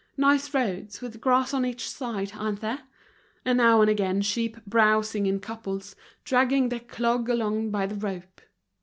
Nice roads with grass on each side, aren't there? and now and again sheep browsing in couples, dragging their clog along by the rope."